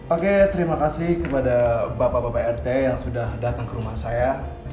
oke terima kasih kepada bapak bapak rt yang sudah datang ke rumah saya